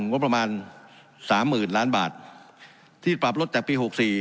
ว่าประมาณสามหมื่นล้านบาทที่ปรับลดจากปีหกสี่